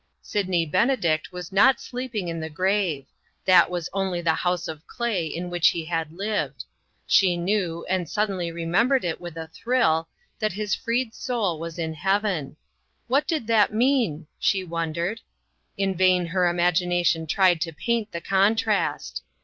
Sidney Benedict was not sleep ing in the grave ; that was only the house of clay in which he had lived. She knew, and suddenly remembered it with a thrill, that his freed soul was in Heaven. What did that mean? she wondered. In vain her imagination tried to paint the contrast.